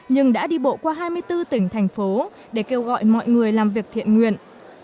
nhưng đã đi bộ qua hai mươi bốn tỉnh thành phố để kêu gọi mọi người làm việc thiện nguyện